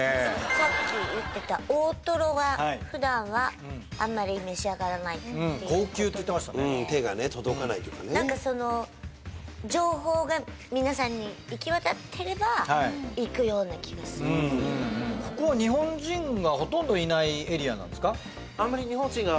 さっき言ってた大とろは普段はあんまり召し上がらないうん高級品って言ってましたねっていうことなので何かその情報が皆さんに行き渡ってればいくような気がするんですけどここは日本人がほとんどいないエリアなんですか？